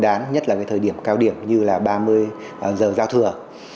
đà nhất là cái thời điểm cao điểm như là ba mươi giờ giao thừa